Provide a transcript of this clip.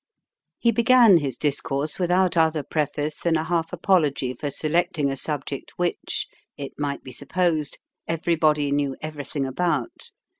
He began his discourse without other preface than a half apology for selecting a subject which, it might be supposed, everybody knew everything about.